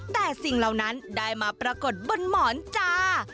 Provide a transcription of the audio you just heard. แต่สิ่งเหล่านั้นได้มาปรากฏบนหมอนจ้า